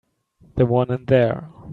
The one in there.